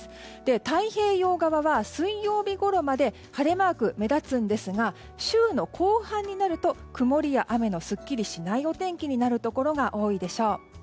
太平洋側は水曜日ごろまで晴れマークが目立つんですが週の後半になると曇りや雨のすっきりしないお天気になるところが多いでしょう。